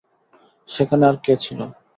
সেখানে আর কে ছিল?